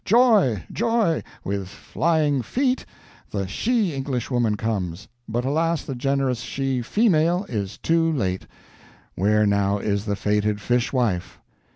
Joy, joy, with flying Feet the she Englishwoman comes! But alas, the generous she Female is too late: where now is the fated Fishwife?